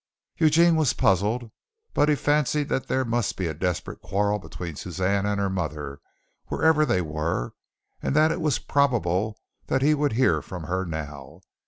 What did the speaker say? Eugene was puzzled, but fancied that there must be a desperate quarrel on between Suzanne and her mother, wherever they were, and that it was probable that he would hear from her now.